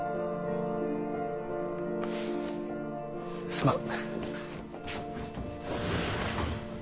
すまん。